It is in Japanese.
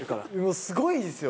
すごいんすよ。